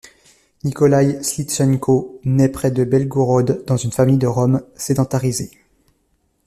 Nikolaï Slitchenko naît près de Belgorod dans une famille de Roms sédentarisés.